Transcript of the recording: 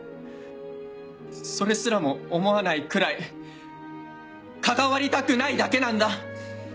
それすらも思わないくらい関わりたくないだけなんだ！